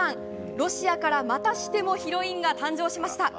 ロシアからまたしてもヒロインが誕生しました。